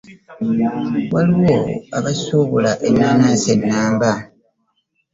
Waliwo abasubula ennaanansi enamba.